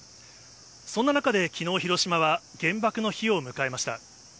そんな中できのう、広島は原爆の日を迎えました。